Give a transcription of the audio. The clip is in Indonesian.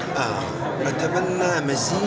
saya ingin menambah kembali